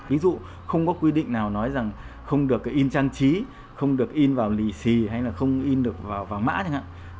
ví dụ không có quy định nào nói rằng không được cái in trang trí không được in vào lì xì hay là không in được vào vàng mã chẳng hạn